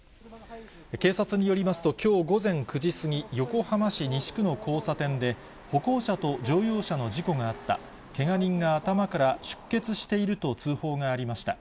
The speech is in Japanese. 警察によりますと、きょう午前９時過ぎ、横浜市西区の交差点で、歩行者と乗用車の事故があった、けが人が頭から出血していると通報がありました。